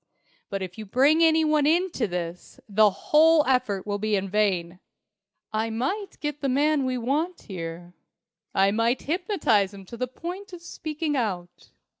But if you bring any one into this, the whole effort will be vain. I might get the man we want here. I might hypnotize him to the point of speaking out.